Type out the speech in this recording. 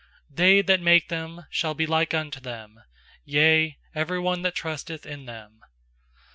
They that make them shall be like unto them; Yea, every one that trusteth in them.